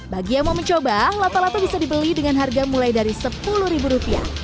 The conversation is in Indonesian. bagi yang mau mencoba lato lato bisa dibeli dengan harga mulai dari rp sepuluh